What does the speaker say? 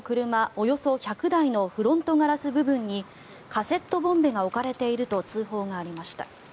およそ１００台のフロントガラス部分にカセットボンベが置かれていると通報がありました。